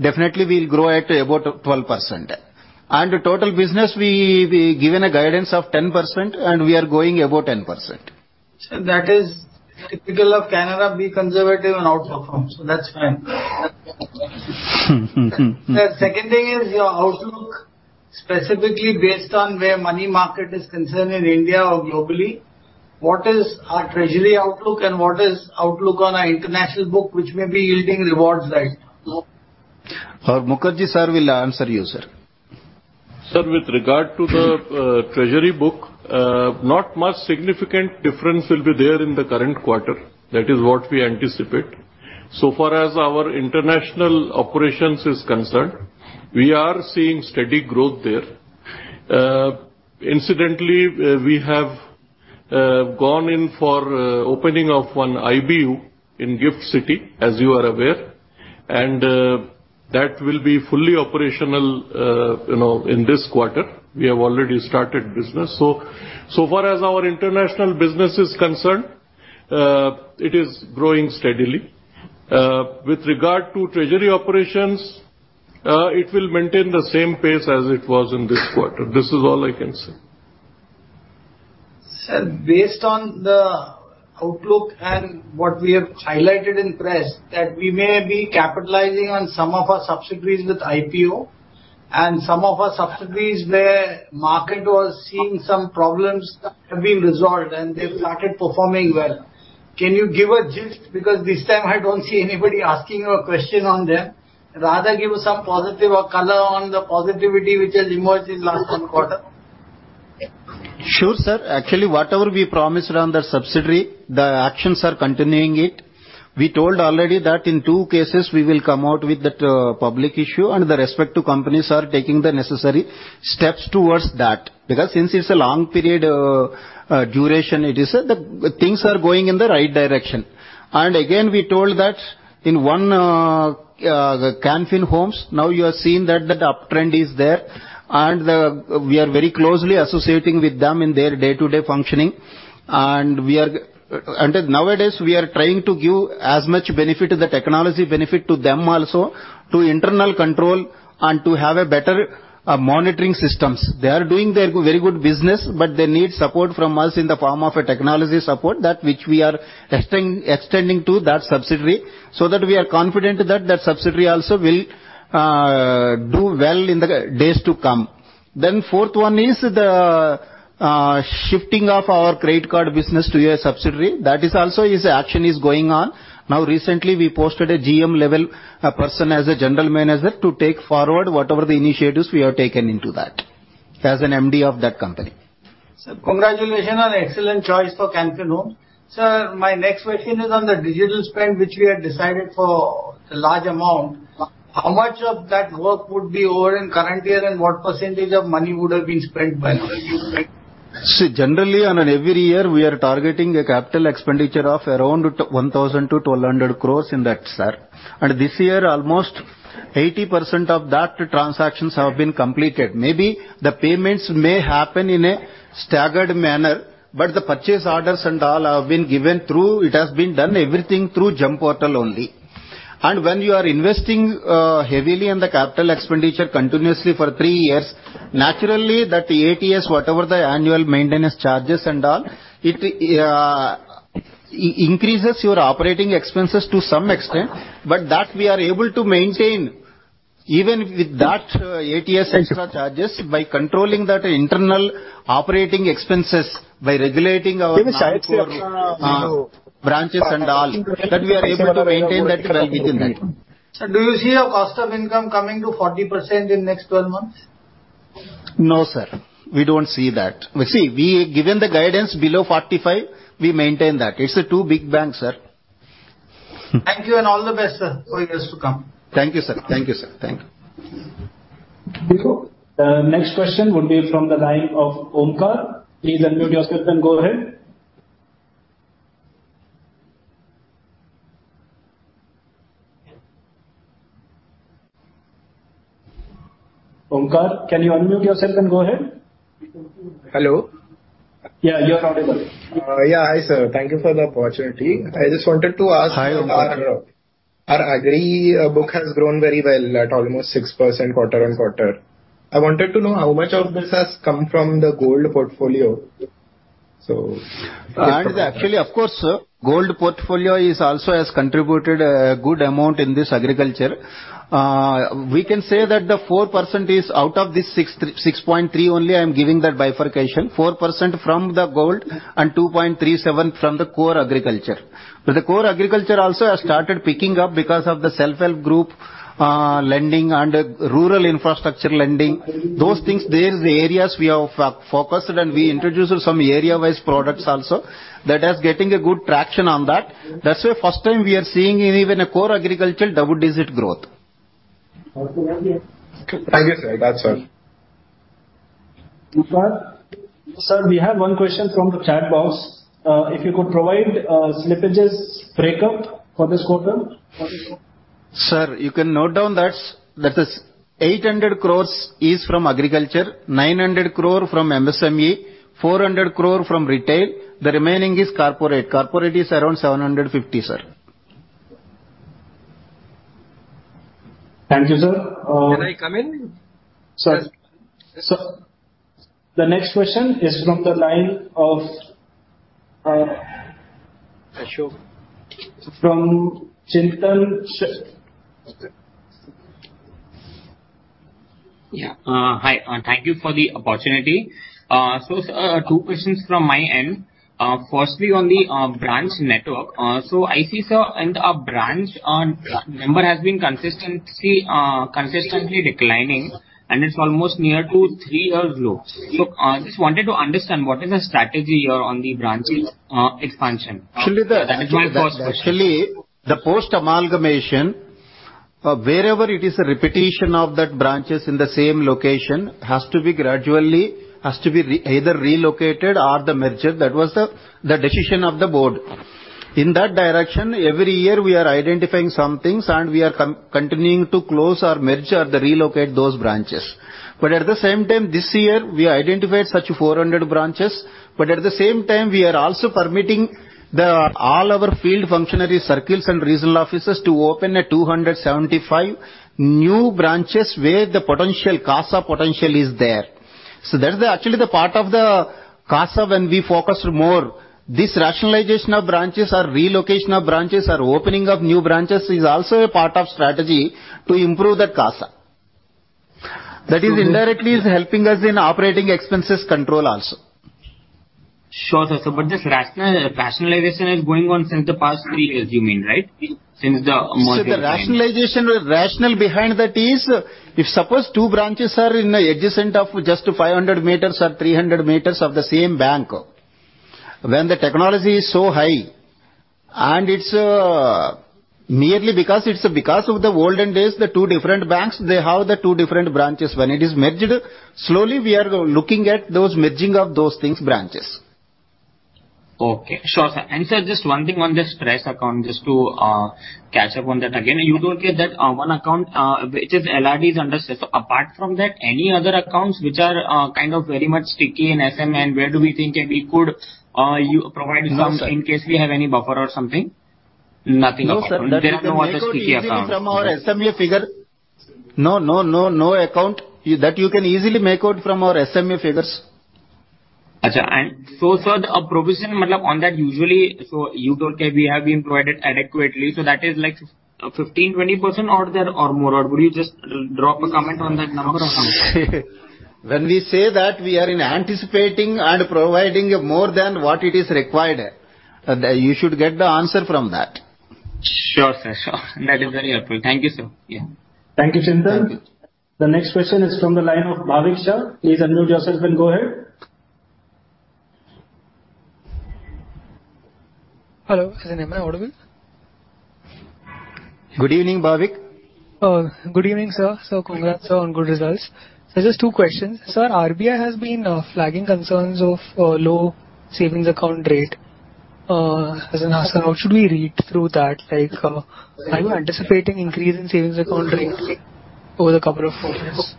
B: definitely we'll grow at about 12%. Total business, we given a guidance of 10%, and we are going above 10%.
L: Sir, that is typical of Canara, be conservative and outperform, so that's fine. Sir, second thing is your outlook, specifically based on where money market is concerned in India or globally, what is our treasury outlook and what is outlook on our international book, which may be yielding rewards right now?
B: Mukherjee sir will answer you, sir.
D: Sir, with regard to the treasury book, not much significant difference will be there in the current quarter. That is what we anticipate. So far as our international operations is concerned, we are seeing steady growth there. Incidentally, we have gone in for opening of one IBU in GIFT City, as you are aware, and that will be fully operational, you know, in this quarter. We have already started business. So, so far as our international business is concerned, it is growing steadily. With regard to treasury operations, it will maintain the same pace as it was in this quarter. This is all I can say.
L: Sir, based on the outlook and what we have highlighted in press, that we may be capitalizing on some of our subsidiaries with IPO and some of our subsidiaries where market was seeing some problems that have been resolved and they've started performing well. Can you give a gist? Because this time I don't see anybody asking you a question on them. Rather, give some positive or color on the positivity which has emerged in last one quarter.
B: Sure, sir. Actually, whatever we promised on the subsidiary, the actions are continuing it. We told already that in two cases we will come out with that public issue, and the respective companies are taking the necessary steps towards that. Because since it's a long period duration, it is, the things are going in the right direction. And again, we told that in one Can Fin Homes, now you are seeing that the uptrend is there, and the... We are very closely associating with them in their day-to-day functioning. And we are- and nowadays, we are trying to give as much benefit to the technology benefit to them also, to internal control and to have a better monitoring systems. They are doing their very good business, but they need support from us in the form of a technology support, that which we are extending to that subsidiary, so that we are confident that that subsidiary also will do well in the days to come. Then fourth one is the shifting of our credit card business to a subsidiary. That is also action is going on. Now, recently, we posted a GM level, a person as a general manager, to take forward whatever the initiatives we have taken into that, as an MD of that company.
L: Sir, congratulations on excellent choice for Can Fin Homes. Sir, my next question is on the digital spend, which we had decided for a large amount. How much of that work would be over in current year, and what percentage of money would have been spent by now?
B: See, generally, every year, we are targeting a capital expenditure of around 1,000 crore-1,200 crore in that, sir. This year, almost 80% of those transactions have been completed. Maybe the payments may happen in a staggered manner, but the purchase orders and all have been given through; it has been done everything through GeM Portal only. When you are investing heavily in the capital expenditure continuously for three years, naturally, that ATS, whatever the annual maintenance charges and all, it increases your operating expenses to some extent, but that we are able to maintain even with that ATS extra charges by controlling that internal operating expenses, by regulating our branches and all, that we are able to maintain that well within that.
L: Sir, do you see your cost of income coming to 40% in next 12 months?
B: No, sir, we don't see that. We. See, we given the guidance below 45, we maintain that. It's a too big bank, sir.
L: Thank you, and all the best, sir, for years to come.
B: Thank you, sir. Thank you, sir. Thank you.
A: The next question would be from the line of Omkar. Please unmute yourself and go ahead. Omkar, can you unmute yourself and go ahead?
M: Hello.
B: Yeah, you are audible.
M: Yeah, hi, sir. Thank you for the opportunity. I just wanted to ask-
B: Hi, Omkar.
M: Our agri book has grown very well at almost 6% quarter-on-quarter. I wanted to know how much of this has come from the gold portfolio. So-
B: Actually, of course, gold portfolio is also has contributed a good amount in this agriculture. We can say that the 4% is out of this 6.3, only I'm giving that bifurcation. 4% from the gold and 2.37 from the core agriculture. But the core agriculture also has started picking up because of the self-help group lending and rural infrastructure lending. Those things, there is areas we have focused, and we introduced some area-wise products also. That is getting a good traction on that. That's why first time we are seeing even a core agricultural double-digit growth.
M: Thank you, sir. That's all.
A: Sir, we have one question from the chat box. If you could provide slippages breakup for this quarter?
B: Sir, you can note down that, that is 800 crore is from agriculture, 900 crore from MSME, 400 crore from retail, the remaining is corporate. Corporate is around 750 crore, sir. Thank you, sir.
N: Can I come in?
A: Sorry. So the next question is from the line of, from Chintan Sheth.
N: Yeah. Hi, and thank you for the opportunity. So, sir, two questions from my end. Firstly, on the branch network. So I see, sir, our branch number has been consistently declining, and it's almost near to three-year lows. So, just wanted to understand, what is the strategy here on the branches expansion?
B: Actually, the post-amalgamation, wherever it is a repetition of that branches in the same location, has to be gradually either relocated or the merger. That was the decision of the board. In that direction, every year, we are identifying some things, and we are continuing to close or merge or relocate those branches. But at the same time, this year, we identified such 400 branches, but at the same time, we are also permitting all our field functionary circles and regional offices to open 275 new branches, where the potential CASA potential is there. So that is actually the part of the CASA, when we focus more, this rationalization of branches or relocation of branches or opening of new branches is also a part of strategy to improve that CASA. That is indirectly helping us in operating expenses control also.
N: Sure, sir. So but this rationalization is going on since the past three years, you mean, right? Since the merger.
B: So the rationale behind that is, if suppose two branches are in adjacent of just 500 m or 300 m of the same bank, when the technology is so high, and it's merely because it's because of the olden days, the two different banks, they have the two different branches. When it is merged, slowly we are looking at those merging of those things, branches.
N: Okay. Sure, sir. And, sir, just one thing on this stress account, just to catch up on that again. You talked that one account, which is LRDs under... So apart from that, any other accounts which are kind of very much sticky in SMA, and where do we think that we could you provide some-
B: No, sir.
N: In case we have any buffer or something? Nothing at all.
B: No, sir.
N: There are no other sticky accounts.
B: From our SMA figure. No, no, no, no account. That you can easily make out from our SMA figures.
N: And so, sir, a provision on that usually, so you told we have been provided adequately, so that is like 15%-20% or there or more? Or will you just drop a comment on that number or something?
B: When we say that, we are in anticipating and providing more than what it is required. You should get the answer from that.
N: Sure, sir, sure. That is very helpful. Thank you, sir. Yeah.
B: Thank you, Chintan. Thank you.
A: The next question is from the line of Bhavik Shah. Please unmute yourself and go ahead.
O: Hello, am I audible?
B: Good evening, Bhavik.
O: Good evening, sir. So congrats on good results. So just two questions. Sir, RBI has been flagging concerns of low savings account rate. As an answer, how should we read through that? Like, are you anticipating increase in savings account rate over the couple of quarters?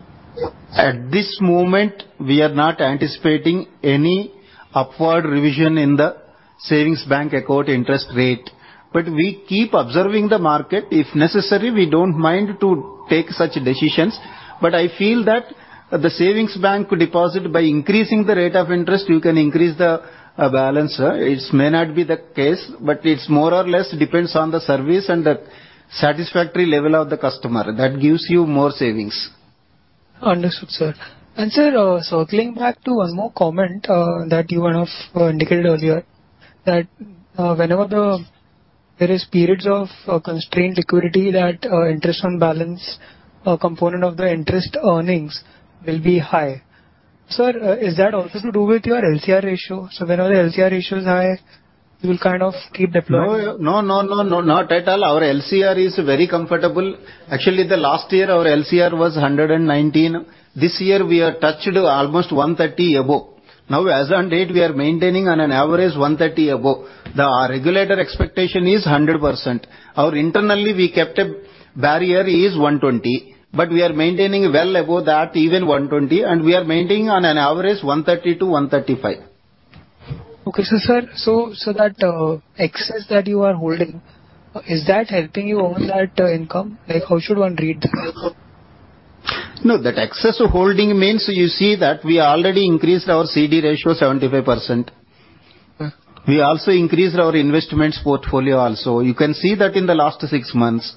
B: At this moment, we are not anticipating any upward revision in the savings bank account interest rate. But we keep observing the market. If necessary, we don't mind to take such decisions, but I feel that the savings bank deposit, by increasing the rate of interest, you can increase the, balance. It may not be the case, but it's more or less depends on the service and the satisfactory level of the customer. That gives you more savings.
O: Understood, sir. And sir, circling back to one more comment that you might have indicated earlier, that whenever there is periods of constrained liquidity, that interest on balance component of the interest earnings will be high. Sir, is that also to do with your LCR ratio? So whenever the LCR ratio is high, you will kind of keep deploying-
B: No, no, no, no, not at all. Our LCR is very comfortable. Actually, the last year, our LCR was 119%. This year, we have touched almost 130 above. Now, as on date, we are maintaining on an average 130 above. The regulator expectation is 100%. Our internally, we kept a barrier is 120, but we are maintaining well above that, even 120, and we are maintaining on an average 130-135.
O: Okay, so, sir, that excess that you are holding, is that helping you on that income? Like, how should one read that?
B: No, that excess holding means you see that we already increased our CD Ratio 75%.
O: Okay.
B: We also increased our investments portfolio also. You can see that in the last six months.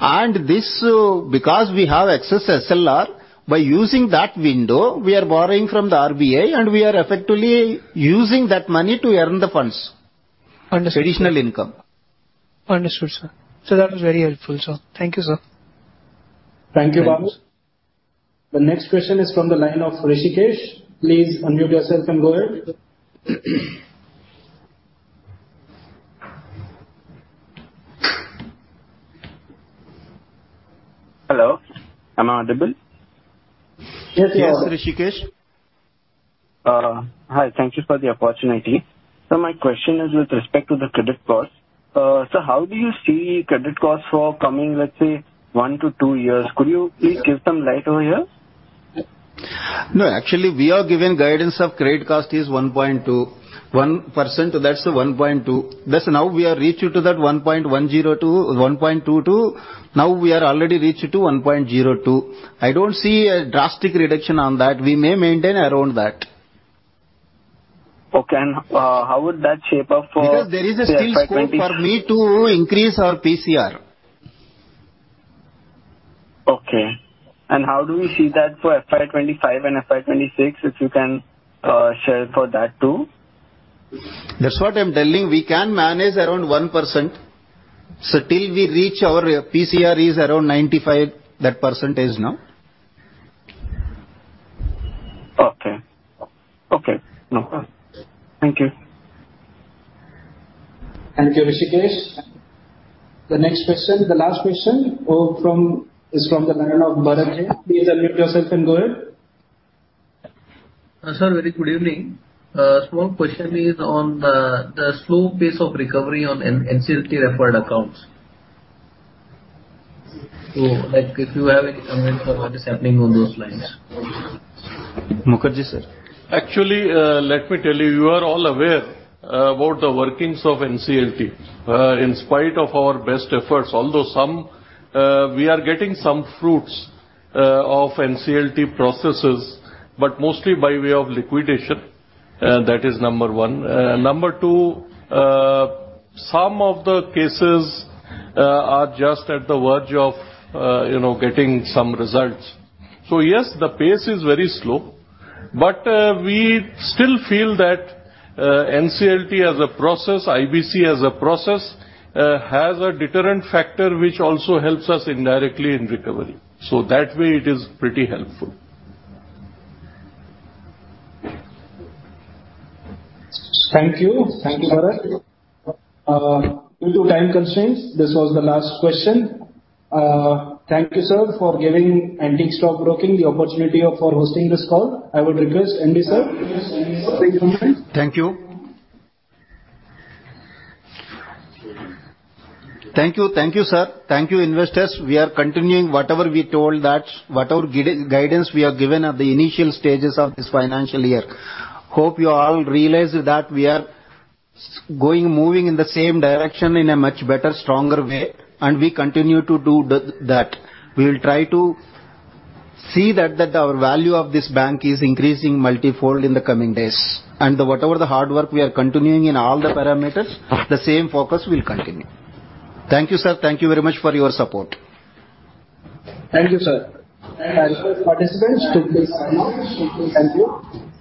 B: And this, because we have excess SLR, by using that window, we are borrowing from the RBI, and we are effectively using that money to earn the funds.
O: Understood.
B: Additional income.
O: Understood, sir. So that was very helpful, sir. Thank you, sir.
A: Thank you, Bhavik. The next question is from the line of Hrishikesh. Please unmute yourself and go ahead.
P: Hello, am I audible?
B: Yes, Hrishikesh.
P: Hi. Thank you for the opportunity. So my question is with respect to the credit cost. So how do you see credit cost for coming, let's say, one to two years? Could you please give some light over here?
B: No, actually, we are giving guidance of credit cost is 1.2. 1%, that's 1.2. That's now we are reached to that 1.102, 1.22. Now we are already reached to 1.02. I don't see a drastic reduction on that. We may maintain around that.
P: Okay, and, how would that shape up for-
B: Because there is still scope for me to increase our PCR.
P: Okay. How do we see that for FY 2025 and FY 2026, if you can share for that, too?
B: That's what I'm telling, we can manage around 1%. So till we reach our PCR is around 95%, that percentage now.
P: Okay. Okay, no. Thank you.
A: Thank you, Hrishikesh. The next question, the last question, oh, from, is from the line of Bharat Jain. Please unmute yourself and go ahead.
Q: Sir, very good evening. Small question is on the slow pace of recovery on NCLT referred accounts. So, like, if you have any comments on what is happening on those lines?
B: Mukherjee, sir.
D: Actually, let me tell you, you are all aware about the workings of NCLT. In spite of our best efforts, although some, we are getting some fruits of NCLT processes, but mostly by way of liquidation, that is number one. Number two, some of the cases are just at the verge of, you know, getting some results. So yes, the pace is very slow, but we still feel that NCLT as a process, IBC as a process, has a deterrent factor, which also helps us indirectly in recovery. So that way, it is pretty helpful.
A: Thank you. Thank you Sir. Due to time constraints, this was the last question. Thank you, sir, for giving Antique Stock Broking the opportunity for hosting this call. I would request MD, sir.
B: Thank you. Thank you, thank you, sir. Thank you, investors. We are continuing whatever we told that, what our guidance we have given at the initial stages of this financial year. Hope you all realize that we are going, moving in the same direction in a much better, stronger way, and we continue to do that. We will try to see that our value of this bank is increasing multifold in the coming days, and whatever the hard work we are continuing in all the parameters, the same focus will continue. Thank you, sir. Thank you very much for your support.
A: Thank you, sir. I request participants to please hang up. Thank you.